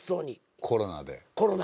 コロナで。